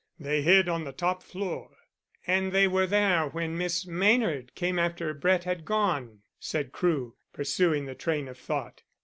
They hid on the top floor." "And they were there when Miss Maynard came after Brett had gone," said Crewe, pursuing a train of thought.